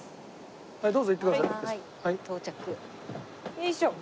よいしょ。